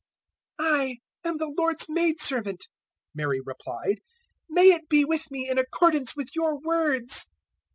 001:038 "I am the Lord's maidservant," Mary replied; "may it be with me in accordance with your words!"